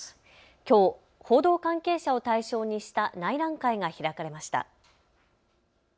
きょう報道関係者を対象にした内覧会が開かれました。